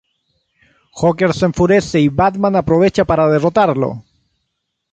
Joker se enfurece y Batman aprovecha para derrotarlo.